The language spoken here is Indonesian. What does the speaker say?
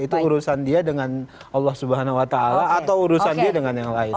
itu urusan dia dengan allah swt atau urusan dia dengan yang lain